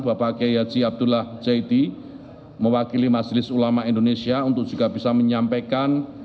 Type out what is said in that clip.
bapak kiai haji abdullah jaidi mewakili majelis ulama indonesia untuk juga bisa menyampaikan